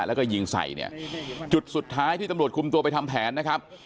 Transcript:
แล้วก็ยิงใส่เนี่ยจุดสุดท้ายที่ตำรวจคุมตัวไปทำแผนนะครับ